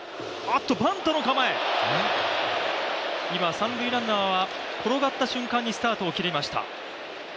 三塁ランナーは転がった瞬間にスタートを切りました。